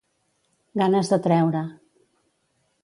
Ganes de treure.